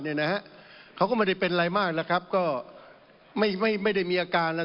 เนี่ยนะฮะเขาก็ไม่ได้เป็นอะไรมากแล้วครับก็ไม่ไม่ไม่ได้มีอาการแล้ว